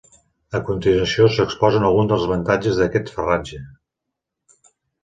A continuació, s'exposen alguns dels avantatges d'aquest farratge.